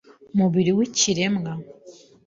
mubiri wikiremwa .